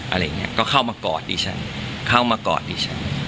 อะไรอย่างนี้ก็เข้ามากอดดิฉันเข้ามากอดดิฉัน